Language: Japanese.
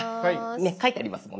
ねっ書いてありますもんね。